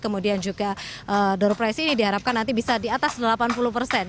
kemudian juga door price ini diharapkan nanti bisa di atas delapan puluh persen